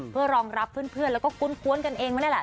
เพื่อรองรับเพื่อนเพื่อนแล้วก็คุ้นควรกันเองไหมเนี่ยล่ะ